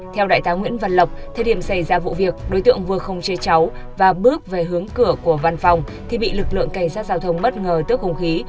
theo đại tá nguyễn văn lộc thời điểm xảy ra vụ việc đối tượng vừa không chế cháu và bước về hướng cửa của văn phòng thì bị lực lượng cảnh sát giao thông bất ngờ tước hùng khí